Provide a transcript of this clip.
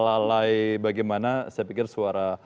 lalai bagaimana saya pikir suara